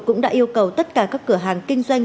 cũng đã yêu cầu tất cả các cửa hàng kinh doanh